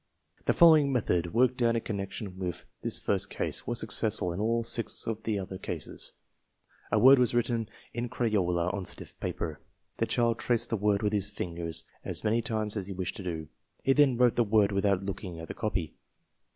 The following method, worked out in connection with this first case, was successful in all six of the other cases. A word was written in crayola on stiff paper. CORRECTIVE AND ADJUSTMENT CASES 109 The child traced the word with his fingers as many times as he wished to do so. He then wrote the word without looking at the copy.